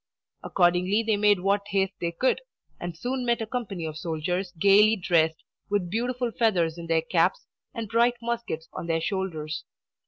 Accordingly they made what haste they could, and soon met a company of soldiers gaily dressed, with beautiful feathers in their caps, and bright muskets on their shoulders.